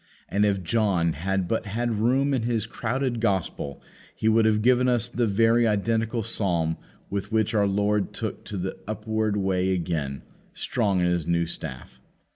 And if John had but had room in his crowded gospel he would have given us the very identical psalm with which our Lord took to the upward way again, strong in His new staff.